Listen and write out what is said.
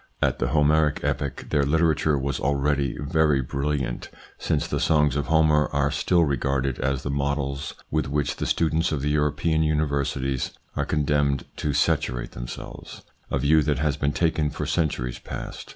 At the Homeric epoch their literature was already very brilliant, since the songs of Homer are still regarded as the models with which the students of the European universities are condemned to saturate themselves ; a view that has been taken for centuries past.